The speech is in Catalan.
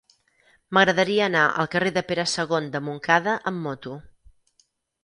M'agradaria anar al carrer de Pere II de Montcada amb moto.